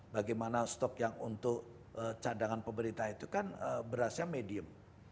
bagaimana stok yang untuk cadangan pemerintah itu kan berasnya medium